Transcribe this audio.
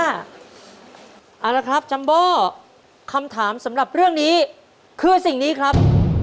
เอาละครับจัมโบคำถามสำหรับเรื่องนี้คือสิ่งนี้ครับ